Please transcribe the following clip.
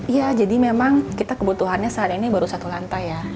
ya jadi memang kita kebutuhannya saat ini baru satu lantai ya